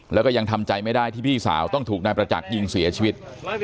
แล้วก็ยังทำใจไม่ได้ที่พี่สาวต้องถูกนายประจักษ์ยิงเสียชีวิต